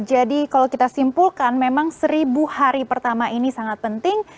jadi kalau kita simpulkan memang seribu hari pertama ini sangat penting